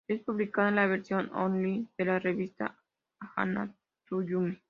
Es publicada en la versión online de la revista Hana to Yume.